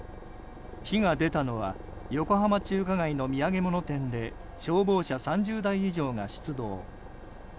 火が出たのは横浜中華街の土産物店で消防車３０台以上が出動。